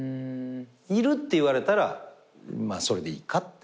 「いる」って言われたらまあそれでいいかってなる。